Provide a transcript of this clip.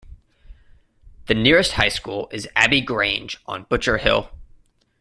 The nearest high scool is Abbey Grange on Butcher Hill.